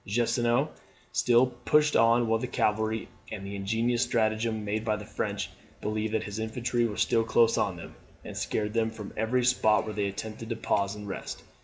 Gneisenau still pushed on with the cavalry; and by an ingenious stratagem, made the French believe that his infantry were still close on them, and scared them from every spot where they attempted to pause and rest.